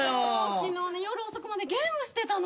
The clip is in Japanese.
昨日ね夜遅くまでゲームしてたの。